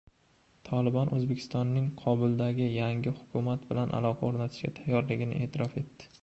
«Tolibon» O‘zbekistonning Kobuldagi yangi hukumat bilan aloqa o‘rnatishga tayyorligini e’tirof etdi